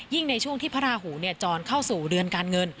ในช่วงที่พระราหูจรเข้าสู่เดือนการเงิน